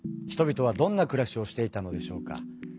人々はどんな暮らしをしていたのでしょうか。